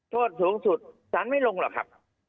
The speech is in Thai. โทษสูงสุดสารไม่ลงเหรอค่ะ